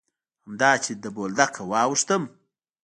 همدا چې له بولدکه واوښتم.